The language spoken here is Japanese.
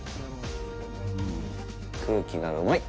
空気がうまい。